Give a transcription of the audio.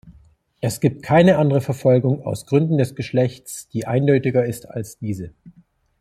Es gibt keine andere Verfolgung aus Gründen des Geschlechts, die eindeutiger ist als diese.